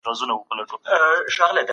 سالم ذهن انرژي نه خرابوي.